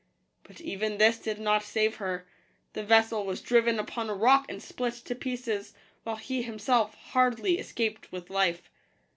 But even this did not save her : the vessel was driven upon a rock and split to pieces, while he himself hardly escaped with life.